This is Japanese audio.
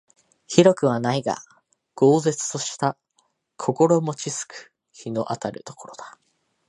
広くはないが瀟洒とした心持ち好く日の当たる所だ